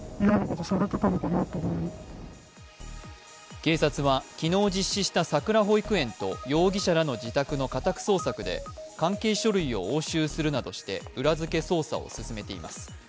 警察は昨日、実施したさくら保育園と容疑者らの自宅の家宅捜索で関係書類を押収するなどして裏付けを捜査を進めています。